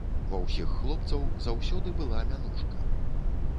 Ва ўсіх хлопцаў заўсёды была мянушка.